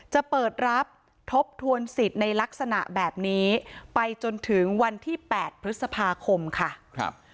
จะเปิดรับทบทวนสิทธิ์ในลักษณะแบบนี้ไปจนถึงวันที่๘พฤษภาคมค่ะครับ